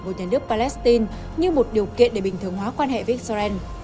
của nhà nước palestine như một điều kiện để bình thường hóa quan hệ với israel